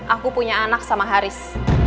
aku punya anak sama haris